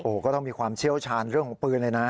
ก็ต้องมีความเชี่ยวชาญเรื่องของปืนเลยนะ